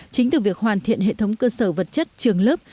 chính từ việc hoàn thiện hệ thống cơ sở vật chất trường lớp